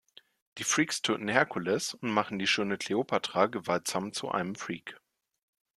Die Freaks töten Hercules und machen die schöne Cleopatra gewaltsam zu einem "Freak".